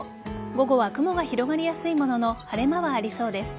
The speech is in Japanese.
午後は雲が広がりやすいものの晴れ間はありそうです。